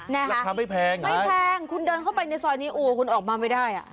แล้วทำให้แพงไงไม่แพงคุณเดินเข้าไปในซอยนี้อุ้วคุณออกมาไม่ได้